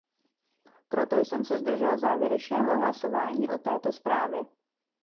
Proto jsem se zdržel závěrečného hlasování o této zprávě.